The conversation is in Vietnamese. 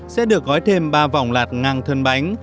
sẽ được gói thêm ba vòng lạt ngang thân bánh